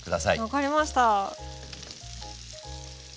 分かりました。